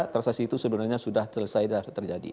transaksi itu sebenarnya sudah selesai terjadi